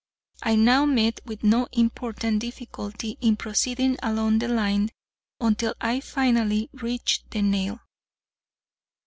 I now met with no important difficulty in proceeding along the line until I finally reached the nail.